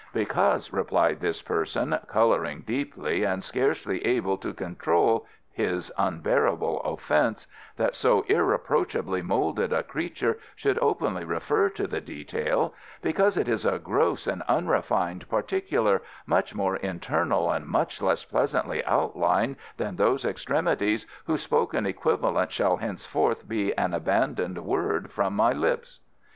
"Because," replied this person, colouring deeply, and scarcely able to control his unbearable offence that so irreproachably moulded a creature should openly refer to the detail, "because it is a gross and unrefined particular, much more internal and much less pleasantly outlined than those extremities whose spoken equivalent shall henceforth be an abandoned word from my lips."